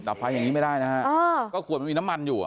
ไฟอย่างนี้ไม่ได้นะฮะก็ขวดมันมีน้ำมันอยู่